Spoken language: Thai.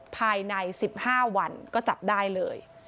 ภายใน๑๕วันก็จับได้เลย